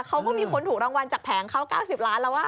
เขาก็มีคนถูกรางวัลจากแผงเขา๙๐ล้านแล้ว